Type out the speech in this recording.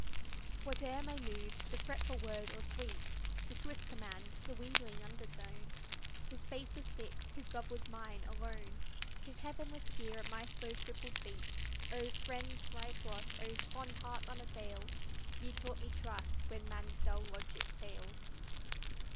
Whate'er my mood the fretful word, or sweet, The swift command, the wheedling undertone, His faith was fixed, his love was mine, alone, His heaven was here at my slow crippled feet: Oh, friend thrice lost; oh, fond heart unassailed, Ye taught me trust when man's dull logic failed.